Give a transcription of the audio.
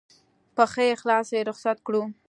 په ښه اخلاص یې رخصت کړو.